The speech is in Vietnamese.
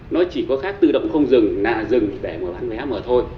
nó chỉ có khác tự động không dừng nạ dừng vẽ mở bán vẽ mở thôi